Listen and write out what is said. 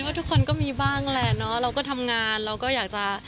ทุกคนก็มีบ้างแหละเนาะเราก็ทำงานเราก็อยากจะ